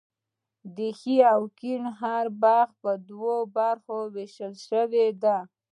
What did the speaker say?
د ښي او کیڼ هره برخه په دوو برخو ویشل شوې ده.